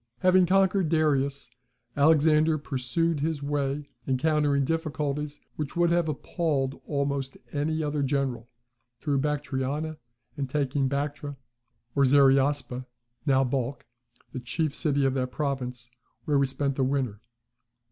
"Having conquered Darius, Alexander pursued his way, encountering difficulties which would have appalled almost any other general, through Bactriana, and taking Bactra, or Zariaspa, (now Balkh), the chief city of that province, where he spent the winter.